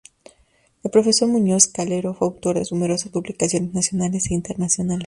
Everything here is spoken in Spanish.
El profesor Muñoz Calero fue autor de numerosas publicaciones nacionales e internacionales.